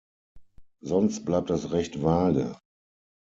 Sonst bleibt das recht vage.